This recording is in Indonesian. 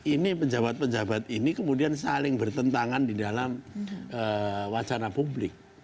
ini pejabat pejabat ini kemudian saling bertentangan di dalam wacana publik